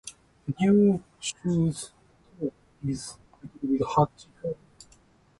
新しい靴のかかとが少し痛い